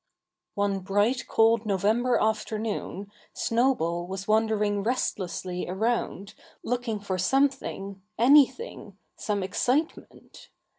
One bright cold November afternoon Snowball was wandering restlessly around looking for something anything some excitement!